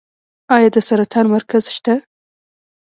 آیا د سرطان مرکز شته؟